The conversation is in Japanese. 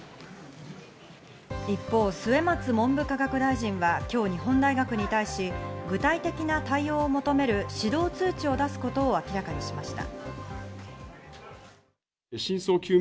一方、末松文部科学大臣は今日、日本大学に対し具体的な対応を求める指導通知を出すことを明らかにしました。